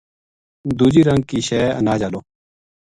دُوجی رنگ کی شے اناج آلو